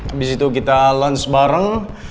abis itu kita lunch bareng